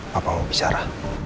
papa mau bicara